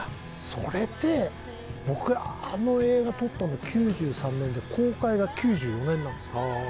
それで僕あの映画撮ったの９３年で公開が９４年なんですよ。ああ。